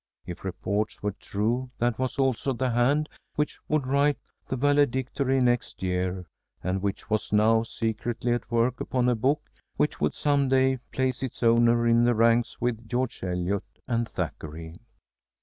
If reports were true that was also the hand which would write the valedictory next year, and which was now secretly at work upon a book which would some day place its owner in the ranks with George Eliot and Thackeray.